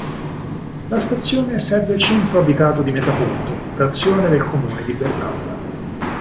La stazione serve il centro abitato di Metaponto, frazione del comune di Bernalda.